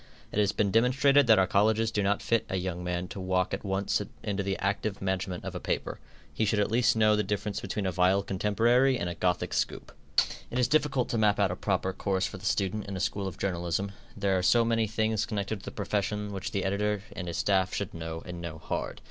It has been demonstrated that our colleges do not fit a young man to walk at once into the active management of a paper. He should at least know the difference between a vile contemporary and a Gothic scoop. It is difficult to map out a proper course for the student in a school of journalism, there are so many things connected with the profession which the editor and his staff should know and know hard.